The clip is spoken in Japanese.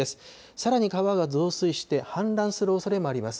さらに川が増水して、氾濫するおそれもあります。